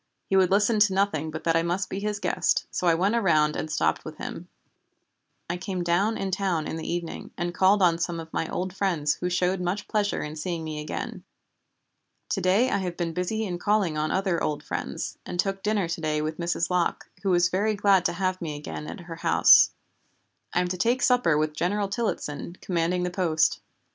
He would listen to nothing but that I must be his guest, so I went around and stopped with him. I came down in town in the evening, and called on some of my old friends who showed much pleasure in seeing me again. To day I have been busy in calling on other old friends, and took dinner to day with Mrs. Locke, who was very glad to have me again at her house. I am to take supper with General Tillottson, commanding the post.